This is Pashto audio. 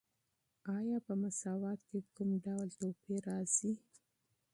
آیا په مساوات کې کوم ډول توپیر راځي؟